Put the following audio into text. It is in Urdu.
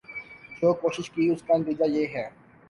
جو کوشش کی اس کا نتیجہ یہ ہے ۔